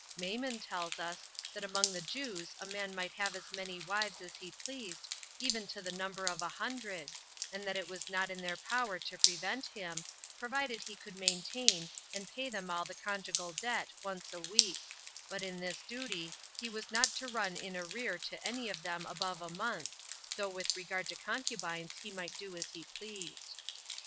Maimon tells us, that among the Jews a man might have as many wives as he pleased, even to the number of a hundred, and that it was not in their power to prevent him, provided he could maintain, and pay them all the conjugal debt once a week; but in this duty he was not to run in arrear to any of them above a month, though with regard to concubines he might do as he pleased.